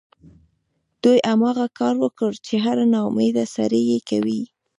دوی هماغه کار وکړ چې هر ناامیده سړی یې کوي